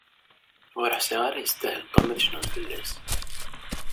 Ur ḥsiɣ ara yestahel Tom ad cnun fell-as.